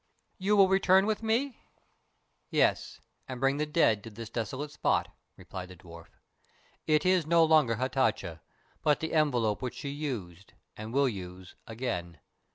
"You will return with me?" asked Kāra. "Yes, and bring the dead to this desolate spot," replied the dwarf. "It is no longer Hatatcha, but the envelope which she used, and will use again.